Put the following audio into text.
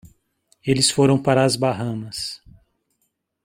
Eles foram para as Bahamas.